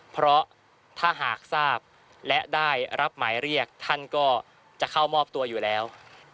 เพราะถ้าหากทราบและได้รับหมายเรียกท่านก็จะเข้ามอบตัวอยู่แล้ว